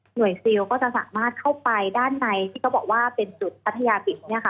ซิลก็จะสามารถเข้าไปด้านในที่เขาบอกว่าเป็นจุดพัทยาบิตเนี่ยค่ะ